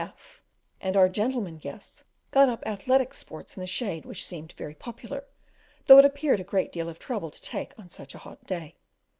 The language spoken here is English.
F and our gentlemen guests got up athletic sports in the shade which seemed very popular, though it appeared a great deal of trouble to take on such a hot day.